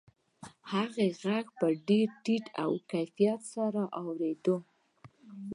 هغه غږ په ډېر ټیټ کیفیت سره اورېده